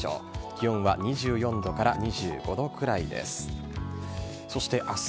気温は２４度から２５度くらいです。